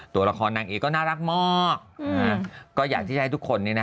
ตัวละครนางเอกก็น่ารักมากก็อยากที่จะให้ทุกคน